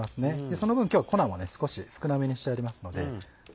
その分今日は粉を少なめにしてありますので。